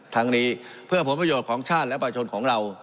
ทั้งนี้เพื่อผลประโยชน์ของชาติและประชนของเรา